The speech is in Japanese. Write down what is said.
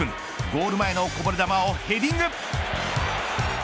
ゴール前のこぼれ球をヘディング。